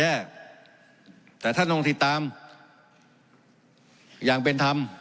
แต่ท่านต้องติดตามอย่างเป็นธรรม